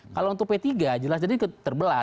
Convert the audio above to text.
kalau untuk p tiga jelas jadi terbelah